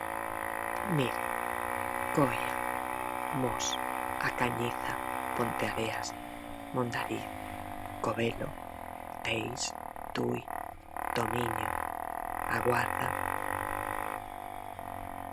Mire: Coia, Mos, A Cañiza, Ponteareas, Mondariz, Covelo, Teis, Tui, Tomiño, A Guarda...